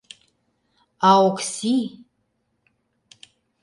А Окси...